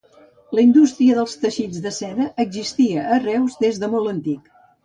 La indústria dels teixits de seda existia a Reus des de molt antic.